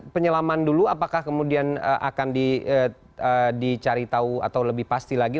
penyelaman dulu apakah kemudian akan dicari tahu atau lebih pasti lagi